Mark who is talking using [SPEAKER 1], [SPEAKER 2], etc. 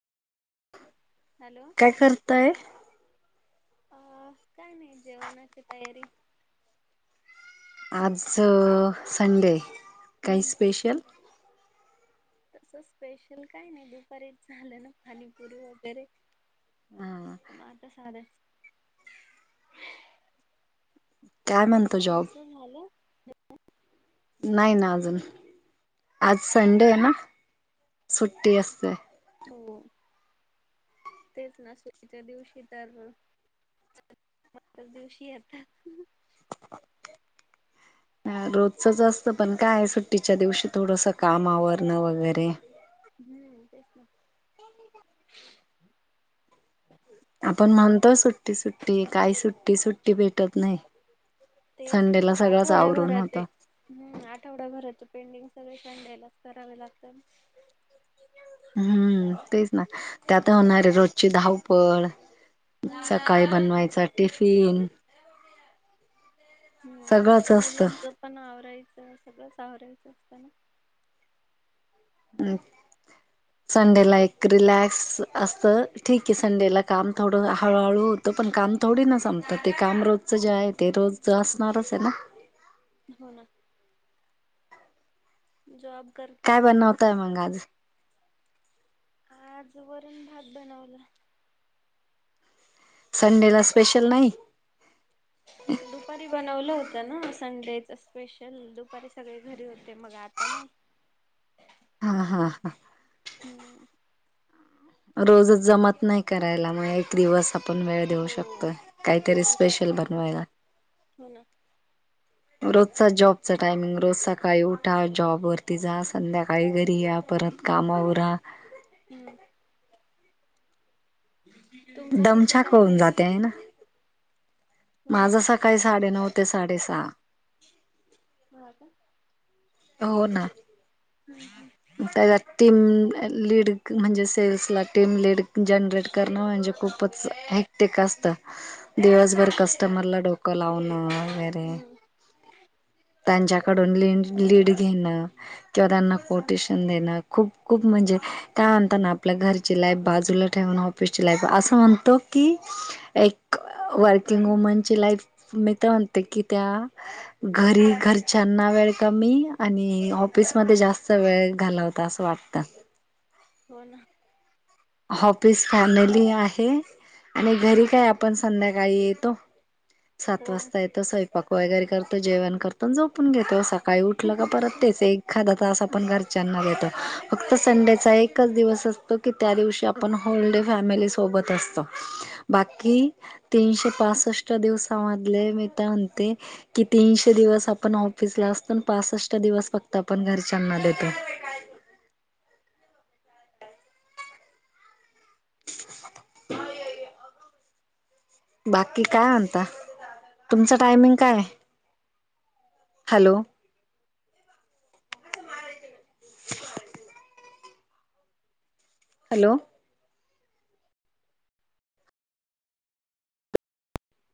[SPEAKER 1] Hello
[SPEAKER 2] काय करताय
[SPEAKER 1] अ काय नाही जेवणाची तयारी
[SPEAKER 2] आज संडे काही
[SPEAKER 1] हम्म
[SPEAKER 2] स्पेशल
[SPEAKER 1] तस स्पेशल काय नाही दुपारीत झालं ना पाणीपुरी वगैरे
[SPEAKER 2] हा
[SPEAKER 1] माझ साार.
[SPEAKER 2] काय म्हणतो
[SPEAKER 1] हम्म
[SPEAKER 2] जॉब
[SPEAKER 1] तुमच झाल.
[SPEAKER 2] नाही ना अजून आज संडे आहे ना सुट्टी असते.
[SPEAKER 1] हो तेच नसलेच्या दिवशी तर दिवशी यता.
[SPEAKER 2] रोजचच असतं पण काय सुट्टीच्या दिवशी थोडंस काम आवरणं वगैरे
[SPEAKER 1] हम्म तेच ना.
[SPEAKER 2] आपण म्हणतो सुट्टी सुट्टी काय सुट्टी सुट्टी भेटत नाही. संडेला सगळंच आवरून होतं.
[SPEAKER 1] हम् आठवडा भर तो पेंडिंग सगळे सांडयलाच करावे लागतात.
[SPEAKER 2] हम्म तेच ना त्यात होणारे
[SPEAKER 1] हम्म
[SPEAKER 2] रोजची धावपळ. च् सकाळी बनवायचा टिफिन. सगळंच
[SPEAKER 1] हम्म
[SPEAKER 2] असतं
[SPEAKER 1] मुलांच पण आवरायचं सगळंच आवरायचं असतं ना.
[SPEAKER 2] संडे ला एक एक रिलॅक्स. असतं ठीक आहे संडेला काम थोडं हळूहळू होतं पण काम थोडी ना संपतं ते काम रोज. जे आहे ते रोज असणारच आहे ना.
[SPEAKER 1] हो ना जॉब कर.
[SPEAKER 2] काय बनवतय मग आज
[SPEAKER 1] आज वरून भात बनवला.
[SPEAKER 2] संडेला स्पेशल नाही.
[SPEAKER 1] दुपारी बनवलं होतं ना संडेच स्पेशल दुपारी सगळे घरी होते मग आता नाही.
[SPEAKER 2] हा हा हा
[SPEAKER 1] हम्म
[SPEAKER 2] रोजच जमत नाही करायला मग एक दिवस आपण वेळ देऊ शकतोय
[SPEAKER 1] हो
[SPEAKER 2] काहीतरी स्पेशल बनवायला.
[SPEAKER 1] हो ना
[SPEAKER 2] रोजचा जॉबचा टायमिंग रोज सकाळी उठा जॉबवररती जा संध्याकाळी घरी या. परत कामा उरा
[SPEAKER 1] हम्म तुमचा किती
[SPEAKER 2] दमछाक
[SPEAKER 1] टाइम
[SPEAKER 2] होऊन
[SPEAKER 1] येलस.
[SPEAKER 2] माझं सकाळी साडेनऊ ते साडेसहा
[SPEAKER 1] मग आता.
[SPEAKER 2] हो ना.
[SPEAKER 1] [unintelligible]
[SPEAKER 2] त्या टीम लीड म्हणजे सेल्सला टीम लीड जनरेट. करणं म्हणजे खूपच हक्टिक असतं. दिवसभर कस्टमरला डोकं लावणं वगैरे त्यांच्याकडून लि लीड घेणं. किंवा त्यांना कोटेशन देणं खूप खूप म्हणजे? त्यानंतर ना आपल्या घरची लाईफ बाजूला ठेवून ऑफिसची लाईफ असं म्हणतो की? एक वर्किंग
[SPEAKER 1] हम्म
[SPEAKER 2] वुमनची लाईफ मी तर म्हणते की त्या घरी घरच्यांना वेळ कमी आणि ऑफिसमध्ये जास्त वेळ घालवता असं वाटतं?
[SPEAKER 1] हो ना.
[SPEAKER 2] ऑफिस फॅमिली आहे. आणि घरी
[SPEAKER 1] हम्म
[SPEAKER 2] काय आपण संध्याकाळी येतो. सात वाजता येतो स्वैपाक वगैरे करतं जेवण करतं जोपून घेतो सका काही उठलं का
[SPEAKER 1] हो
[SPEAKER 2] परत तेच एक खा अस आपण घरच्यांना देतो फक्त संडेचा एकच दिवस असतो की त्या दिवशी आपण ओन्ली फॅमिली सोबत असतो. बाकी तीनशे पासष्ट दिवसामधले मी तर म्हणते. कि तीनशे दिवस आपण ऑफिस ला असतो पासष्ट दिवस फक्त आपण घरच्यांना देतो. [unintelligible] बाकी काय म्हणता. तुमचं टायमिंग काय? हॅलो. [inaudible] हॅलो.